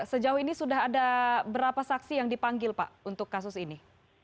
sejauh ini sudah ada berapa saksi yang dipanggil pak untuk kasus ini